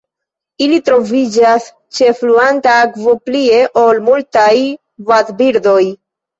Ili troviĝas ĉe fluanta akvo plie ol multaj vadbirdoj.